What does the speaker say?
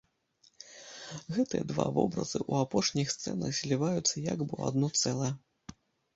Гэтыя два вобразы ў апошніх сцэнах зліваюцца як бы ў адно цэлае.